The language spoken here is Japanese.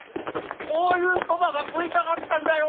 こういうそばが食いたかったんだよ！